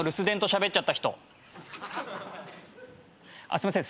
すいません。